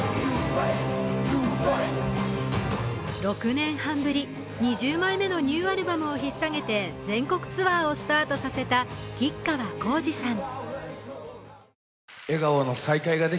６年半ぶり、２０枚目のニューアルバムをひっ提げて全国ツアーをスタートさせた吉川晃司さん。